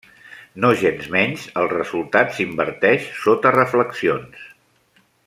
Nogensmenys, el resultat s'inverteix sota reflexions.